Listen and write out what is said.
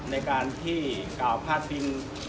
ในการที่กล่าวพาดพิง